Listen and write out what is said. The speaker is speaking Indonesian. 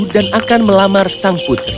dan akan melamar sang putri